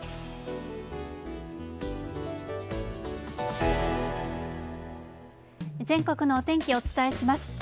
桝さん、全国のお天気をお伝えします。